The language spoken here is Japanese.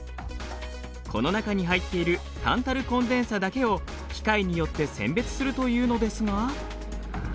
この中に入っているタンタルコンデンサだけを機械によって選別するというのですが。